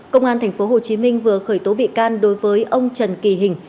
công an tp hcm vừa khởi tố bị can đối với ông trần kỳ hình